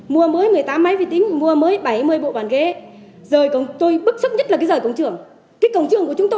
mua mới một mươi tám máy vệ tính